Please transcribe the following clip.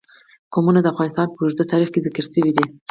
قومونه د افغانستان په اوږده تاریخ کې ذکر شوی دی.